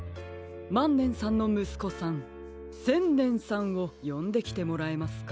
まんねんさんのむすこさんせんねんさんをよんできてもらえますか？